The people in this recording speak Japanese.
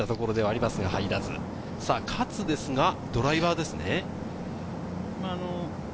勝ですがドライバーですね。